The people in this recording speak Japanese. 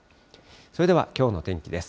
それではきょうの天気です。